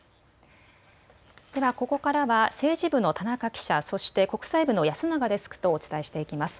ではここからは政治部の田中記者、そして国際部の安永デスクとお伝えしていきます。